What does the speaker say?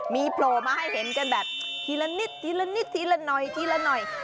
มีโผล่มาให้เห็นกันแบบทีละนิดทีละนิดทีละหน่อยทีละหน่อย